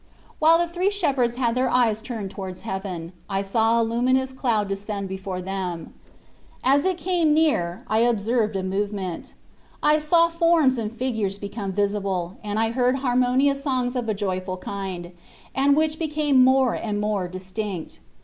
While the three shepherds had their eyes turned towards heaven, I saw a luminous cloud descend before them. As it came near I 92 Ube 1Rattv>it of observed a movement. I saw forms and figures become visible, and I heard har monious songs of a joyful kind, and which became more and more distinct.